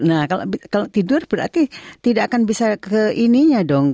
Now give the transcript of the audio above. nah kalau tidur berarti tidak akan bisa ke ininya dong